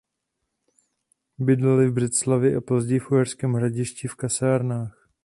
Bydleli v Břeclavi a později v Uherském Hradišti v kasárnách.